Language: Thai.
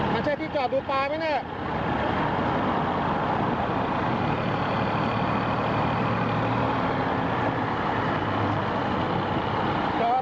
มันใช่ที่จอดดูปลาไหมเนี่ย